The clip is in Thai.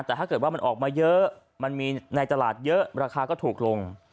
แต่ถ้าเกิดว่ามันออกมาเยอะมันมีในตลาดเยอะราคาก็ถูกลง